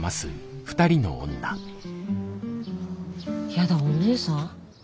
やだお姉さん？